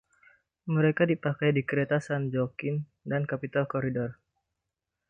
Mereka dipakai di kereta "San Joaquin" dan "Capital Corridor".